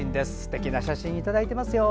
すてきな写真をいただいています。